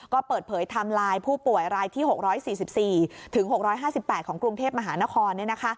ก็เปิดเผยไทม์ไลน์ผู้ป่วยรายที่๖๔๔๖๕๘ของกรุงเทพมหานคร